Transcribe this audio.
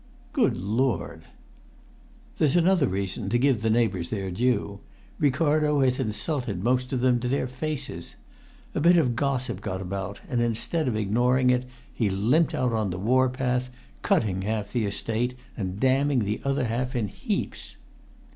"Good Lord!" "There's another reason, to give the neighbours their due. Ricardo has insulted most of them to their faces. A bit of gossip got about, and instead of ignoring it he limped out on the war path, cutting half the Estate and damning the other half in heaps."